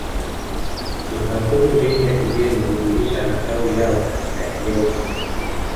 Makampuni mengi ya kigeni hudumisha matawi yao katika eneo hili